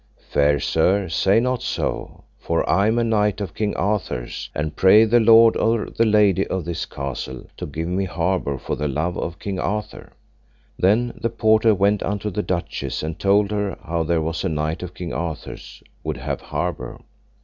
Fair sir, say not so, for I am a knight of King Arthur's, and pray the lord or the lady of this castle to give me harbour for the love of King Arthur. Then the porter went unto the duchess, and told her how there was a knight of King Arthur's would have harbour.